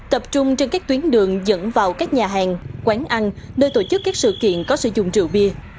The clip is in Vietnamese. tập trung trên các tuyến đường dẫn vào các nhà hàng quán ăn nơi tổ chức các sự kiện có sử dụng rượu bia